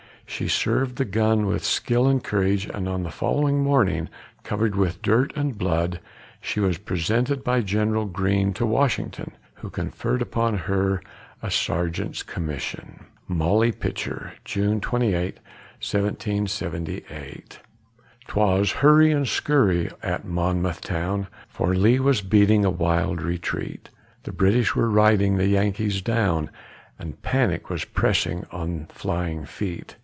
She served the gun with skill and courage, and on the following morning, covered with dirt and blood, she was presented by General Greene to Washington, who conferred upon her a sergeant's commission. MOLLY PITCHER [June 28, 1778] 'Twas hurry and scurry at Monmouth town, For Lee was beating a wild retreat; The British were riding the Yankees down, And panic was pressing on flying feet.